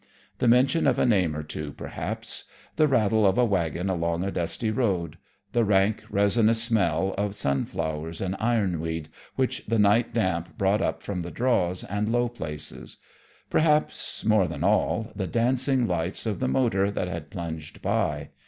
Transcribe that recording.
The mention of a name or two, perhaps; the rattle of a wagon along a dusty road; the rank, resinous smell of sunflowers and ironweed, which the night damp brought up from the draws and low places; perhaps, more than all, the dancing lights of the motor that had plunged by.